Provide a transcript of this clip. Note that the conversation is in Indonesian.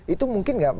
itu mungkin enggak